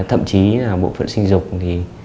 thậm chí là bộ phận sinh dục thì